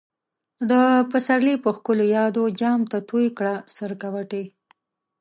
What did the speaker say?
دپسرلی په ښکلو يادو، جام ته تويې کړه سکروټی